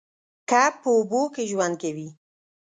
کب په اوبو کې ژوند کوي